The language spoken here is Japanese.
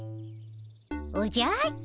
おじゃっと。